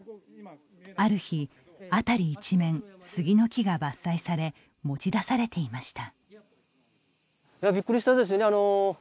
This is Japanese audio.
ある日、辺り一面、杉の木が伐採され、持ち出されていました。